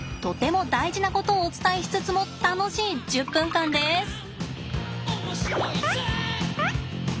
とても大事なことをお伝えしつつも楽しい１０分間です。